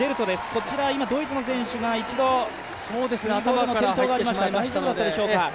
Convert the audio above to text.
こちら今ドイツの選手が頭から転倒がありましたが、大丈夫だったでしょうか。